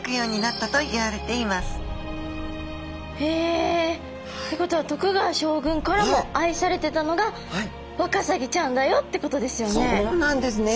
ってことは徳川将軍からも愛されてたのがワカサギちゃんだよってことですよね。